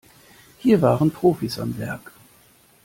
Hier waren Profis am Werk.